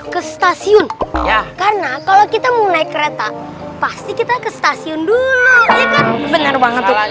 ke stasiun karena kalau kita mau naik kereta pasti kita ke stasiun dulu